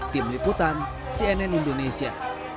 tim liputan cnn indonesia